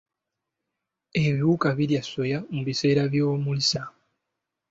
Ebiwuka birya soya mu biseera by'okumulisa.